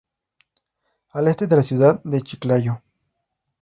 Al este de la ciudad de Chiclayo.